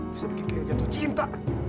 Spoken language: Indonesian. bisa bikin dia jatuh cinta